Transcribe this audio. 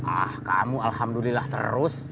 ah kamu alhamdulillah terus